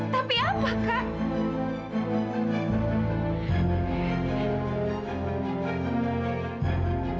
tapi apa kak